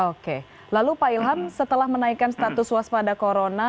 oke lalu pak ilham setelah menaikkan status waspada corona